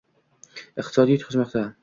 Iqtisodiyot yutqazmoqda.